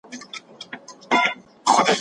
آیا تاریخي حقایق تل ثابت پاتې کیږي؟